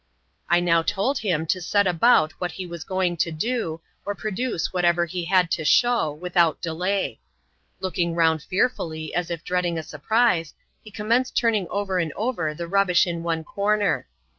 I now told him to set about what he was going to do, or produce whatever he had to show, without delay. Looking round fearfully, as if dreading a surprise, he commenced turning brer and over the rubbish in one corner.